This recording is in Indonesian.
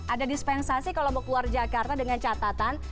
ada dispensasi kalau mau keluar jakarta dengan catatan